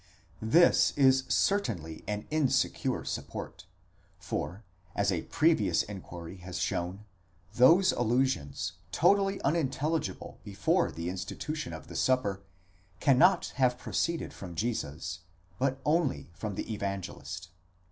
This is certainly an insecure support, for, as a previous enquiry has shown, those allusions, totally unintelligible before the institution of the Supper, can not have proceeded from Jesus, but only from the Evangelist.